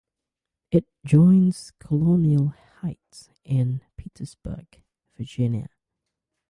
It joins Colonial Heights and Petersburg, Virginia.